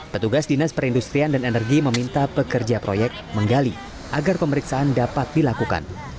petugas dinas perindustrian dan energi meminta pekerja proyek menggali agar pemeriksaan dapat dilakukan